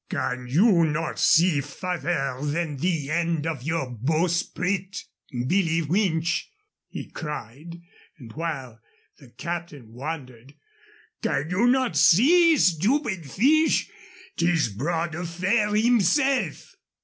"Can you not see farther than the end of your bowsprit, Billee Winch?" he cried; and while the captain wondered, "Can you not see, stupid fish? 'tis Bras de Fer himself!"